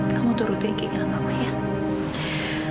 kamu turutin keinginan mama ya